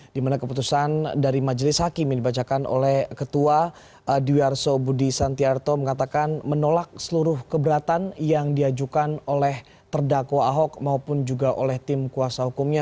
dimana keputusan dari majelis hakim yang dibacakan oleh ketua dwi arso budi santiarto mengatakan menolak seluruh keberatan yang diajukan oleh terdakwa ahok maupun juga oleh tim kuasa hukumnya